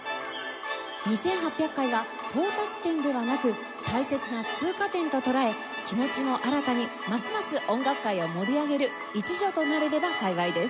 ２８００回は到達点ではなく大切な通過点と捉え気持ちも新たにますます音楽界を盛り上げる一助となれれば幸いです。